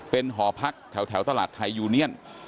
เป็นหอพักแถวตลาดไทยยูเนียน